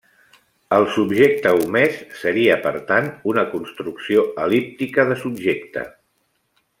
El subjecte omès seria per tant una construcció el·líptica de subjecte.